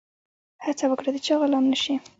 هڅه وکړه د چا غلام نه سي.